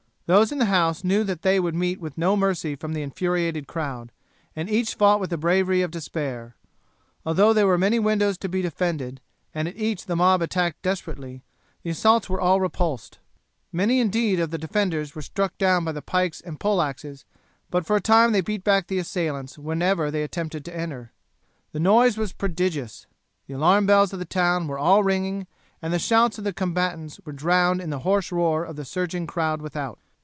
Those in the house knew that they would meet with no mercy from the infuriated crowd, and each fought with the bravery of despair. Although there were many windows to be defended, and at each the mob attacked desperately, the assaults were all repulsed. Many indeed of the defenders were struck down by the pikes and pole axes, but for a time they beat back the assailants whenever they attempted to enter. The noise was prodigious. The alarm bells of the town were all ringing and the shouts of the combatants were drowned in the hoarse roar of the surging crowd without.